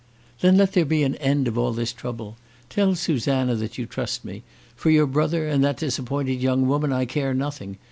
"Then let there be an end of all this trouble. Tell Susanna that you trust me. For your brother and that disappointed young woman I care nothing.